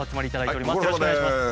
よろしくお願いします。